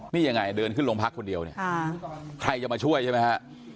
นี่ยังไงเดินขึ้นโรงพักคนเดียวเนี่ยใครจะมาช่วยใช่ไหมฮะ